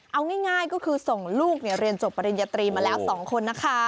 เอาง่ายก็คือส่งลูกเรียนจบปริญญาตรีมาแล้ว๒คนนะคะ